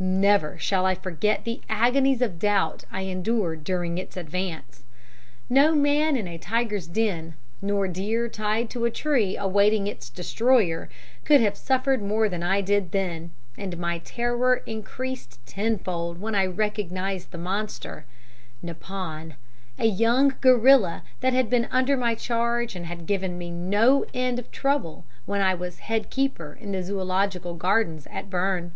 Never shall I forget the agonies of doubt I endured during its advance. No man in a tiger's den, nor deer tied to a tree awaiting its destroyer, could have suffered more than I did then, and my terror increased tenfold when I recognized in the monster Neppon a young gorilla that had been under my charge and had given me no end of trouble when I was head keeper in the Zoological Gardens at Berne.